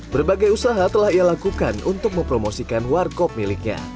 berbagai usaha telah ia lakukan untuk mempromosikan warkop miliknya